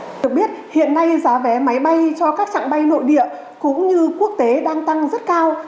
vâng được biết hiện nay giá vé máy bay cho các trạng bay nội địa cũng như quốc tế đang tăng rất cao